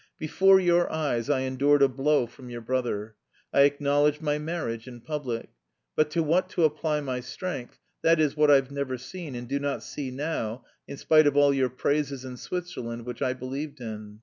Before your eyes I endured a blow from your brother; I acknowledged my marriage in public. But to what to apply my strength, that is what I've never seen, and do not see now in spite of all your praises in Switzerland, which I believed in.